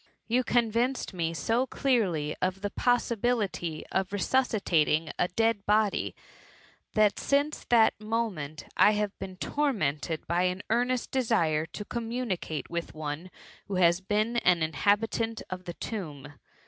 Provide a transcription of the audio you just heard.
You convinced me so clearly of the c 5 34 THE MTTMMT. posBibility of resuscitating a dead body^ that since that moment I have been tormented by an earnest desire to communicate with one who has been an inhabitant of the tomb.